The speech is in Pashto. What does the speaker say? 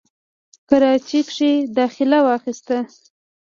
کراچۍ کښې داخله واخسته،